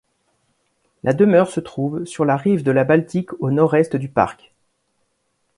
La demeure se trouve sur la rive de la Baltique, au nord-est du parc.